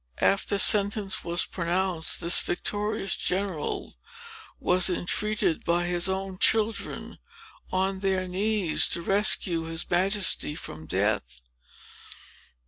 After sentence was pronounced, this victorious general was entreated by his own children, on their knees, to rescue his Majesty from death.